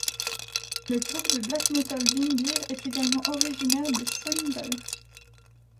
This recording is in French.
Le groupe de black metal Windir est également originaire de Sogndal.